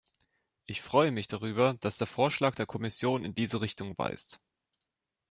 Ich freue mich darüber, dass der Vorschlag der Kommission in diese Richtung weist.